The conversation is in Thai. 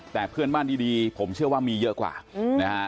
แต่เพื่อนบ้านดีผมเชื่อว่ามีเยอะกว่านะฮะ